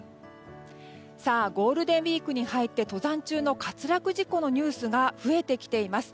ゴールデンウィークに入って登山中の滑落事故のニュースが増えてきています。